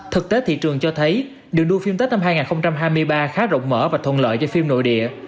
thực tế thị trường cho thấy đường đua phim tết năm hai nghìn hai mươi ba khá rộng mở và thuận lợi cho phim nội địa